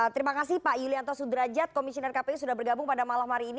terima kasih pak yulianto sudrajat komisioner kpu sudah bergabung pada malam hari ini